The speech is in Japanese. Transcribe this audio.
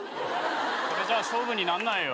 これじゃ勝負になんないよ。